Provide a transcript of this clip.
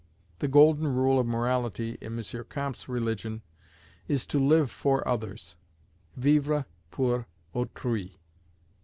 The golden rule of morality, in M. Comte's religion, is to live for others, "vivre pour autrui."